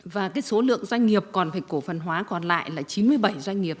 và số lượng doanh nghiệp còn phải cổ phần hóa còn lại là chín mươi bảy doanh nghiệp